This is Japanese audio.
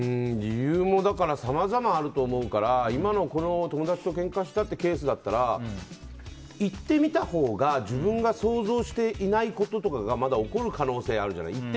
理由もさまざまあるから今の、友達とけんかしたというケースだったら行ってみたほうが自分が想像していないこととかが起こる可能性があるじゃない。